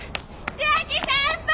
千秋先輩！